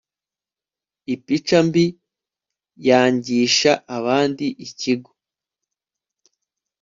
ipica mbi yangisha abandi ikigo